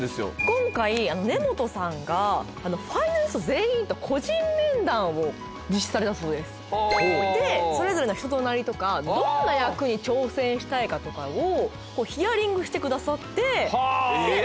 今回根本さんがファイナリスト全員と個人面談を実施されたそうですでそれぞれの人となりとかどんな役に挑戦したいかとかをヒアリングしてくださってえっ！